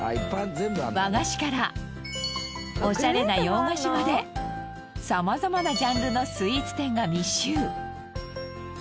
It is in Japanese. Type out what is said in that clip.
和菓子からオシャレな洋菓子まで様々なジャンルのスイーツ店が密集。